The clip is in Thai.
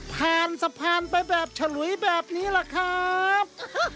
สะพานไปแบบฉลุยแบบนี้แหละครับ